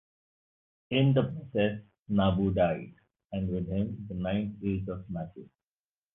In the process, Nabu died, and with him, the Ninth Age of Magic.